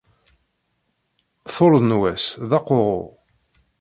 Ṭul n wass d aquɣu.